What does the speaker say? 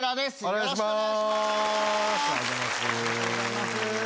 ありがとうございます。